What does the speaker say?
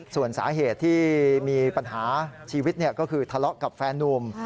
ส่วนสาเหตุที่มีปัญหาชีวิตก็คือทะเลาะกับแฟนนุ่ม